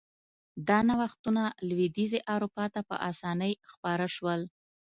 دا نوښتونه لوېدیځې اروپا ته په اسانۍ خپاره شول.